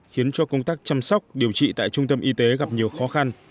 khiến cho công tác chăm sóc điều trị tại trung tâm y tế gặp nhiều khó khăn